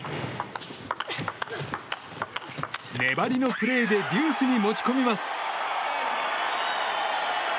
粘りのプレーでデュースに持ち込みます。